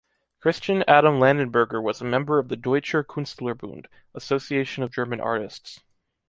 Christian Adam Landenberger was a member of the Deutscher Künstlerbund (Association of German Artists).